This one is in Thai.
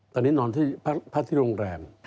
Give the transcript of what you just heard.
ตอนนี้นอนที่พักที่โรงแรม